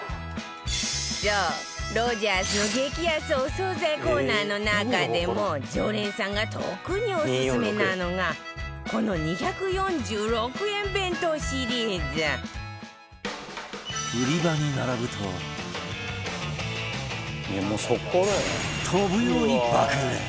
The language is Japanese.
そうロヂャースの激安お惣菜コーナーの中でも常連さんが特にオススメなのがこの２４６円弁当シリーズ飛ぶように爆売れ！